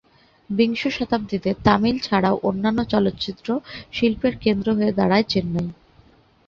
বিংশ শতাব্দীতে তামিল ছাড়াও অন্যান্য চলচ্চিত্র শিল্পের কেন্দ্র হয়ে দাঁড়ায় চেন্নাই।